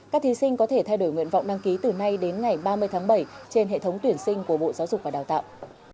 các thí sinh có thể thay đổi nguyện vọng đăng ký từ nay đến ngày ba mươi tháng bảy trên hệ thống tuyển sinh của bộ giáo dục và đào tạo